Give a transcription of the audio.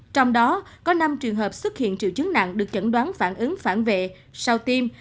trong đó có năm trường hợp xuất hiện triệu chứng nặng được chẩn đoán phản ứng phản vệ sau tiêm